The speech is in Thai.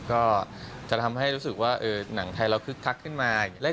ก็จะทำให้รู้สึกว่าหนังไทยเราคึกคักขึ้นมา